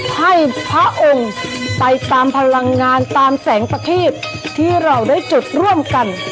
ให้พระองค์ไปตามพลังงานตามแสงประทีบที่เราได้จุดร่วมกัน